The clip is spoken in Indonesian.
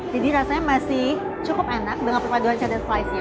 jadi rasanya masih cukup enak dengan perpaduan cheddar slice nya